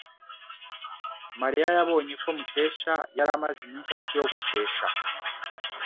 Mariya yabonye ko Mukesha yari amaze iminsi atiyogoshesha.